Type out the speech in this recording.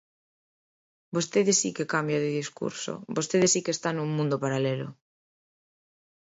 Vostede si que cambia de discurso, vostede si que está nun mundo paralelo.